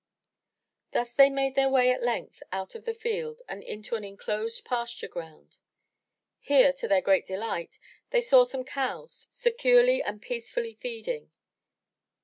Thus they made their way at length out of the field and into an unenclosed pasture ground. Here, to their great delight, they saw some cows, securely and peacefully feeding.